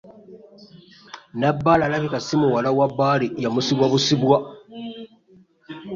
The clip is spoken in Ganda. Nabbaale alabika si muwala wa Bbaale yamusibwa busibwa.